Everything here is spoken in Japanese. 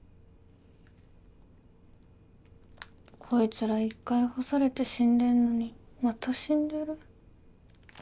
こいつら一回干されて死んでんのにまた死んでる。